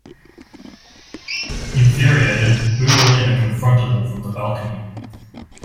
Infuriated, Bouboulina confronted them from the balcony.